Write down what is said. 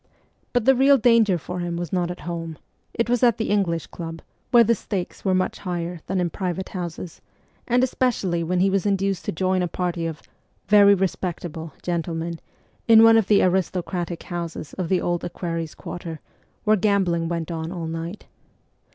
But the real danger for him was not at home : it was at the English Club, where the stakes were much higher than in private houses, and especially when he was induced to join a party of ' very respect able ' gentlemen, in one of the aristocratic houses of the Old Equerries' Quarter, where gambling went on all night.